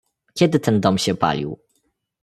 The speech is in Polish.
"„Kiedy ten dom się palił?"